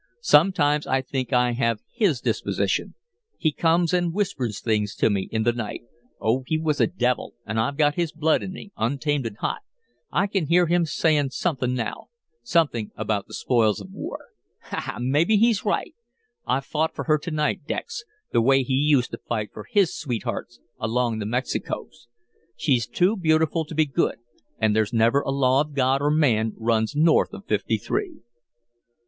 Sometimes I think I have his disposition. He comes and whispers things to me in the night. Oh, he was a devil, and I've got his blood in me untamed and hot I can hear him saying something now something about the spoils of war. Ha, ha! Maybe he's right. I fought for her to night Dex the way he used to fight for his sweethearts along the Mexicos. She's too beautiful to be good and 'there's never a law of God or man runs north of Fifty three.'"